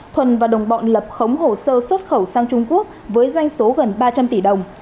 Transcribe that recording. thuần và đồng bọn lập khống hồ sơ xuất khẩu sang trung quốc với doanh số gần ba trăm linh tỷ đồng